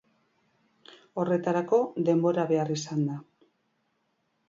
Horretarako denbora behar izan da.